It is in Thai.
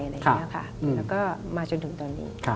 อยู่นี่ค่ะแล้วก็มาจนถึงตอนนี้